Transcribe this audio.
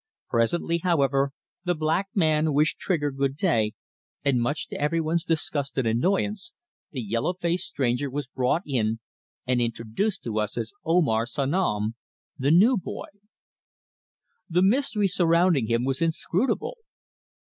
Presently, however, the black man wished Trigger good day, and much to everyone's disgust and annoyance the yellow faced stranger was brought in and introduced to us as Omar Sanom, the new boy. The mystery surrounding him was inscrutable.